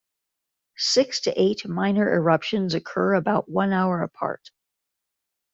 Six to eight minor eruptions occur about one hour apart.